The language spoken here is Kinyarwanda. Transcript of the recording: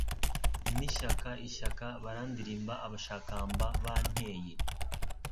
n'ishyaka, ishyaka barandilimba abashakamba banteye